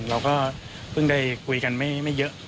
เราก็เพิ่งได้คุยกันไม่เยอะ